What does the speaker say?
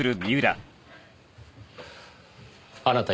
あなた